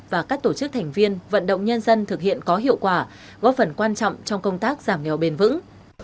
và các tổ chức thành viên vận động nhân dân thực hiện có hiệu quả góp phần quan trọng trong công tác giảm nghèo bền vững